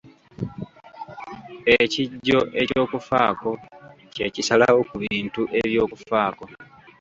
Ekijjo eky'okufaako kye kisalawo ku bintu eby'okufaako.